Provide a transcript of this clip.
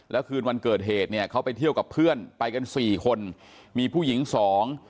แล้วคืนวันเกิดเหตุเนี่ยเขาไปเที่ยวกับเพื่อนไปกันสี่คนมีผู้หญิงสอง